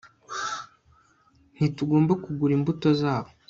Ntitugomba kugura imbuto zabo